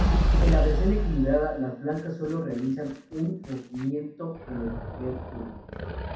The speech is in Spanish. En la versión equilibrada, las blancas solo realizan un movimiento en el primer turno.